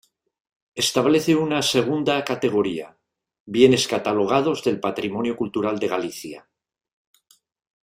Establece una segunda categoría; Bienes catalogados del patrimonio cultural de Galicia.